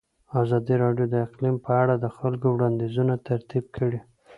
ازادي راډیو د اقلیم په اړه د خلکو وړاندیزونه ترتیب کړي.